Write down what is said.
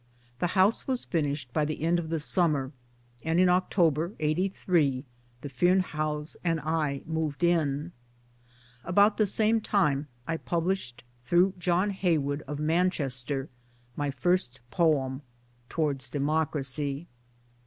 The house was finished by the end of the summer, and in October '83 the Fearnehoughs and I moved in. About the same time I published through John Heywood of Manchester, my first poem Towards Democracy.